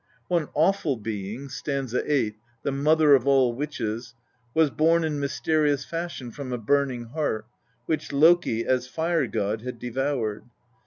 One awful being (st. 8), the mother of all witches, was born in mysterious fashion from a burning heart, which Loki, as fire god, had devoured.